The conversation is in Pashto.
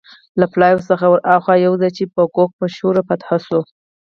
له پلاوا څخه ورهاخوا یو ځای چې په کوک مشهور و، فتح شوی و.